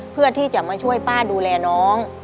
เพื่อที่จะมาช่วยป้าดูแลน้อง